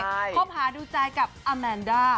เข้าพาดูใจกับอาแมนด่า